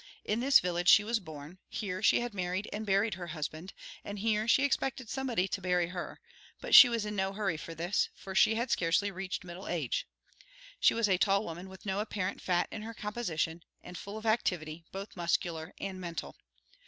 In this village she was born, here she had married and buried her husband, and here she expected somebody to bury her; but she was in no hurry for this, for she had scarcely reached middle age. She was a tall woman with no apparent fat in her composition, and full of activity, both muscular and mental.